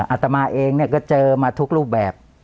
อาตมาเองเนี่ยก็เจอมาทุกรูปแบบ